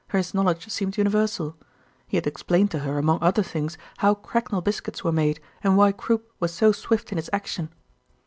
His knowledge seemed universal. He had explained to her among other things how cracknel biscuits were made and why croup was so swift in its action.